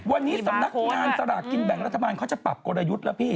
วันนี้สำนักงานสลากกินแบ่งรัฐบาลเขาจะปรับกลยุทธ์แล้วพี่